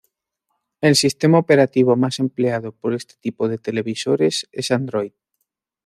El sistema operativo más empleado por este tipo de televisores es Android.